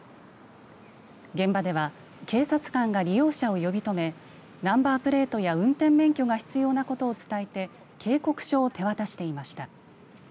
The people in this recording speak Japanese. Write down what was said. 現場では警察官が利用者を呼び止めナンバープレートや運転免許が必要なことを伝えて警告書を手渡していました。